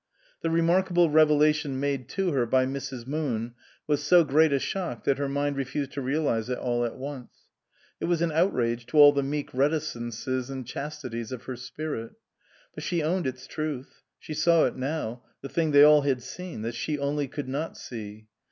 The remarkable revelation made to her by Mrs. Moon was so great a shock that her mind refused to realize it all at once. It was an outrage to all the meek reticences and chastities of her spirit. But she owned its truth ; she saw it now, the thing they all had seen, that she only could not see.